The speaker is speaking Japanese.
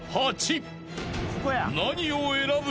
［何を選ぶ？］